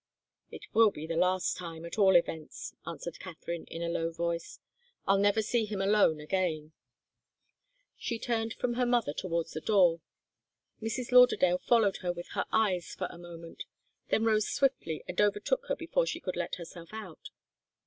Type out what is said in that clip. "It will be the last time, at all events," answered Katharine, in a low voice. "I'll never see him alone again." She turned from her mother towards the door. Mrs. Lauderdale followed her with her eyes for a moment, then rose swiftly and overtook her before she could let herself out.